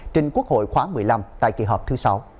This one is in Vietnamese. trên quốc hội khoá một mươi năm tại kỳ họp thứ sáu